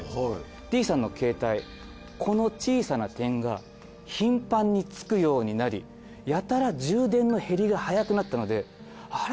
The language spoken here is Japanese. Ｄさんのケータイこの小さな点が頻繁につくようになりやたら充電の減りが早くなったのであれ？